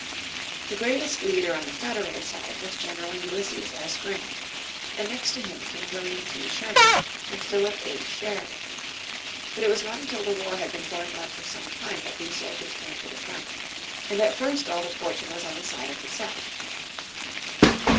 The greatest leader on the Federal side was General Ulysses S. Grant, and next to him came William T. Sherman and Philip H. Sheridan. But it was not until the war had been going on for some time that these soldiers came to the front, and at first all the fortune was on the side of the South.